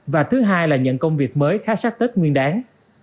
và thứ hai là nhận công việc mới khá sát tết nguyên đáng